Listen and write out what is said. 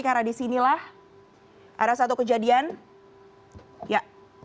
karena disinilah ada satu kejadian ya